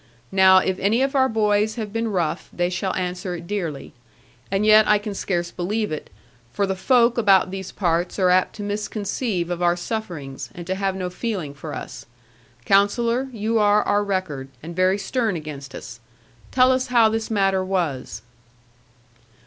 Now, if any of our boys have been rough, they shall answer it dearly. And yet I can scarce believe it. For the folk about these parts are apt to misconceive of our sufferings, and to have no feeling for us. Counsellor, you are our record, and very stern against us; tell us how this matter was.'